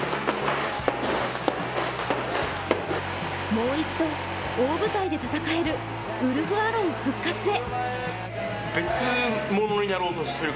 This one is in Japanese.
もう一度、大舞台で戦えるウルフアロン復活へ。